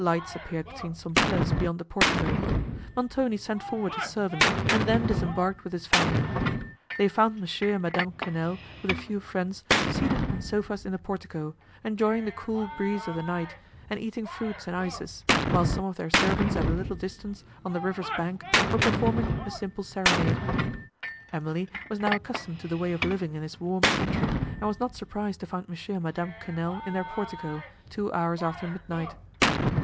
Lights appeared between some pillars beyond the portico. Montoni sent forward his servant, and then disembarked with his family. They found Mons. and Madame Quesnel, with a few friends, seated on sofas in the portico, enjoying the cool breeze of the night, and eating fruits and ices, while some of their servants at a little distance, on the river's bank, were performing a simple serenade. Emily was now accustomed to the way of living in this warm country, and was not surprised to find Mons. and Madame Quesnel in their portico, two hours after midnight.